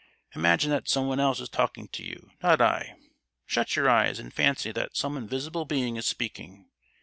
Imagine that someone else is talking to you, not I. Shut your eyes, and fancy that some invisible being is speaking.